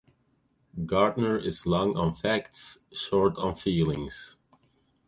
Gardner is long on facts, short on feelings.